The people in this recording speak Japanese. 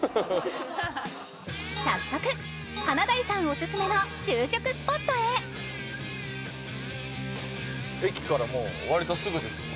早速華大さんおすすめの昼食スポットへ駅からわりとすぐですよ。